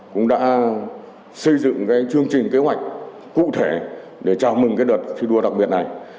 cũng đã xây dựng chương trình kế hoạch cụ thể để chào mừng cái đợt thi đua đặc biệt này